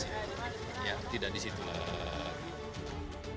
bisa bicara bahwa sedang dicari tempat untuk revokasi